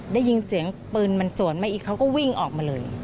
ได้ยินเสียงปืนมันสวนมาอีกเขาก็วิ่งออกมาเลย